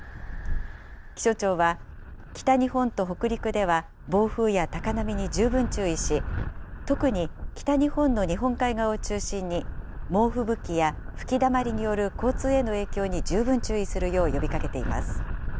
気象庁は、北日本と北陸では暴風や高波に十分注意し、特に北日本の日本海側を中心に猛吹雪や吹きだまりによる交通への影響に十分注意するよう呼びかけています。